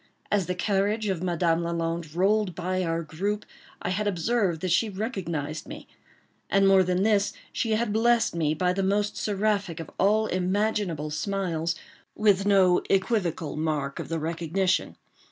As the carriage of Madame Lalande rolled by our group, I had observed that she recognized me; and more than this, she had blessed me, by the most seraphic of all imaginable smiles, with no equivocal mark of the recognition.